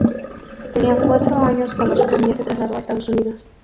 Tenía cuatro años cuando su familia se trasladó a Estados Unidos.